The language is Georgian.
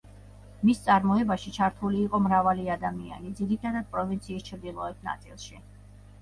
მის წარმოებაში ჩართული იყო მრავალი ადამიანი, ძირითადად პროვინციის ჩრდილოეთ ნაწილში.